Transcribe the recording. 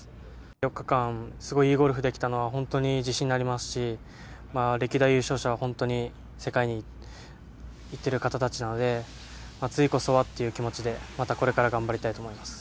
４日間、すごいいいゴルフができたのは、自信になりますし、歴代優勝者は世界に行っている方たちなので、次こそはという気持ちで、またこれから頑張りたいと思います。